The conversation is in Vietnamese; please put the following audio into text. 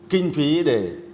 kinh phí để